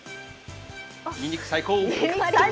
にんにく最高！